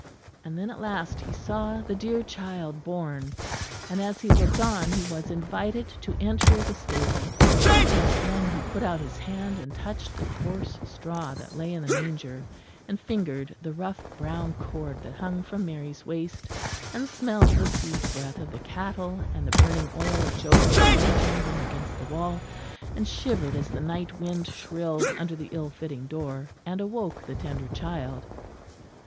And then at last he saw the dear Child born; and as he looked he was invited to enter the stable; and again he put out his hand and touched the coarse straw that lay in the manger, and fingered the rough brown cord that hung from Mary's waist, and smelled the sweet breath of the cattle, and the burning oil of Joseph's lantern hung against the wall, and shivered as the night wind shrilled under the ill fitting door and awoke the tender Child.